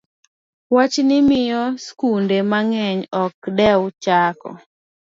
Wachni miyo skunde mang'eny ok dew chako